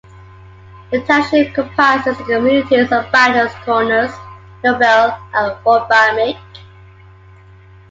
The township comprises the communities of Badger's Corners, Nobel, and Waubamik.